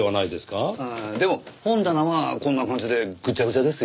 でも本棚はこんな感じでぐちゃぐちゃですよ。